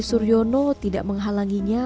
suryono tidak menghalanginya